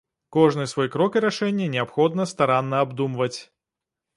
Кожны свой крок і рашэнне неабходна старанна абдумваць.